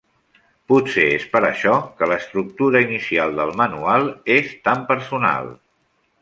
Potser és per això que l'estructura inicial del 'Manual' és tan personal.